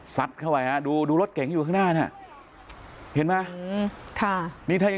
สัดเข้าไปฮะดูรถเก๋งอยู่ข้างหน้าน่ะเห็นปะ